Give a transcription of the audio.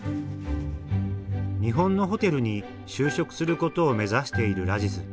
日本のホテルに就職することを目指しているラジズ。